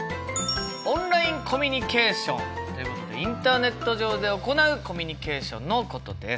「オンラインコミュニケーション」ということでインターネット上で行うコミュニケーションのことです。